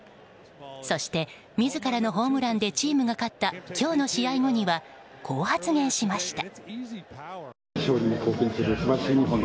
そして、自らのホームランでチームが勝った今日の試合後にはこう発言しました。